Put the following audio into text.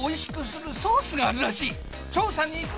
調査に行くぞ！